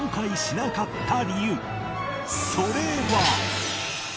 それは